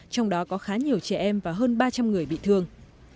trong đó có khá nhiều trẻ em và hơn ba trăm linh người bị thương